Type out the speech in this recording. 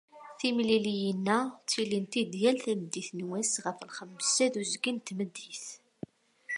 Timliliyin-a, ttilint-d yal tameddit n wass ɣef lxemsa d uzgen n tmeddit.